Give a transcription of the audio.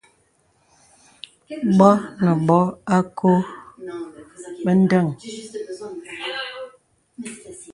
Bɔ̄ nə bɔ̄ à kɔ̄ɔ̄ bə̀ ndəŋ.